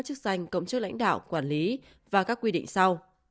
chức lãnh đạo quản lý và các quy định sau